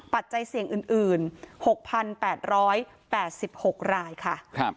ปัจจัยเสี่ยงอื่น๖๘๘๖รายค่ะ